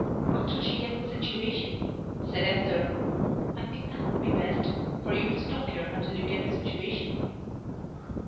"Until she gets a situation," said Esther. "I think that'll be the best, for you to stop here until you get a situation."